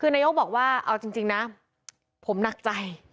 คือนายกบอกว่าเอาจริงนะผมหนักใจ